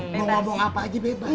mau ngomong apa aja bebas